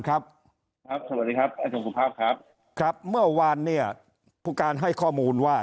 ครับเมื่อวานปู่การให้ข้อมูลว่า